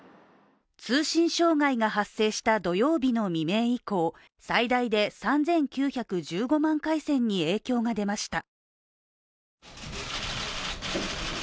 通信障害が発生した土曜日の未明以降、最大で３９１５万回線に影響が出ました。